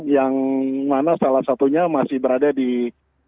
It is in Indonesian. yang mana salah satunya masih berada di bandara sentani